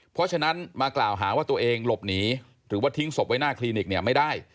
เพราะฉะนั้นมากล่าวหาว่าตัวเองหลบหนีหรือว่าทิ้งศพไว้หน้าคลินิกเนี่ยไม่ได้